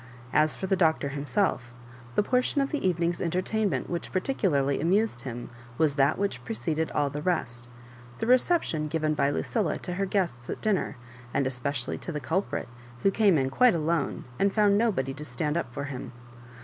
As for the Doctor himself, the portion of the evening's entertain ment which particularly amused Mm was that which preceded all the rest — ^the reception given by Lucilla to her guests at dinner, and especially to the culprit, who came in quite alone, and found nobody to stand up for him.